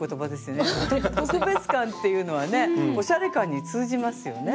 特別感っていうのはねおしゃれ感に通じますよね。